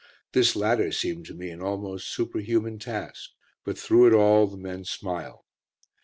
This latter seemed to me an almost superhuman task; but through it all, the men smiled.